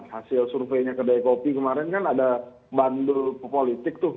hasil surveinya ke daya kopi kemarin kan ada bandu politik tuh